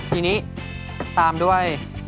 ทีนี้ตามด้วย